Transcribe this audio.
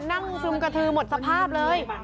ซึมกระทือหมดสภาพเลย